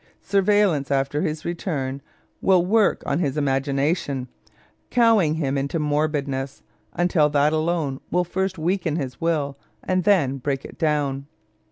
Surveillance after his return will work on his imagination, cowing him into morbidness, until that alone will first weaken his will and then break it down.